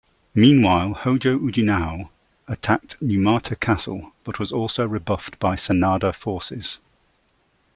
Meanwhile, Hōjō Ujinao attacked Numata Castle, but was also rebuffed by Sanada forces.